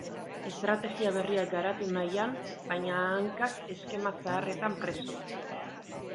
Estrategia berriak garatu nahian, baina hankak eskema zaharretan preso.